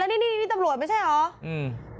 แล้วนี่นี่ตำรวจไม่ใช่เหรอ